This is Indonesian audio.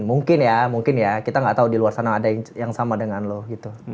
mungkin ya mungkin ya kita nggak tahu di luar sana ada yang sama dengan loh gitu